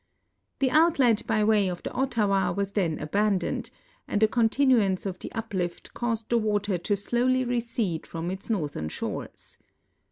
The outlet by way of the Ottawa was then abandoned, and a continuance of the uplift caused the water to slowly recede from its northern shores.